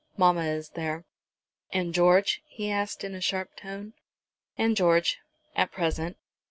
"Mamma is there." "And George?" he asked in a sharp tone. "And George, at present."